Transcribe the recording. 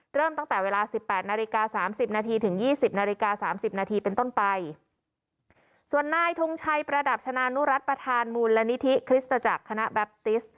เริ่มตั้งแต่เวลาสิบแปดนาฬิกาสามสิบนาทีถึงยี่สิบนาฬิกาสามสิบนาทีเป็นต้นไปส่วนนายทงชัยประดับชนานุรัติประธานมูลนิธิคริสตจักรคณะแบปติส